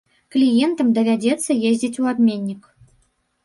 Кліентам давядзецца ездзіць у абменнік.